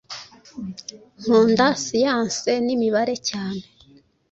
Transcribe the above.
Nkunda siyanse n'imibare cyane.